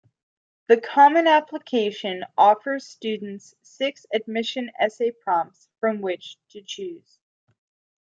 The Common Application offers students six admissions essay prompts from which to choose.